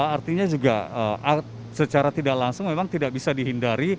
artinya juga secara tidak langsung memang tidak bisa dihindari